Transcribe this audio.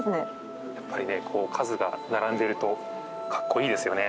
やっぱりねこう数が並んでいるとかっこいいですよね。